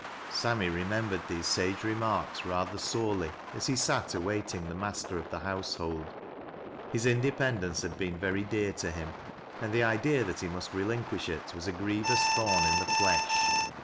Sammy remembered these sage remarks rather sorely, as he sat awaiting the master of the household. His indepen dence had been very dear to him, and the idea that he must relinquish it was a grievous thorn in the flesh.